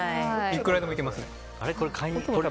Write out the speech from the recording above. いくらでもいけますね。